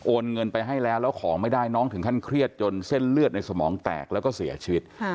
เงินไปให้แล้วแล้วของไม่ได้น้องถึงขั้นเครียดจนเส้นเลือดในสมองแตกแล้วก็เสียชีวิต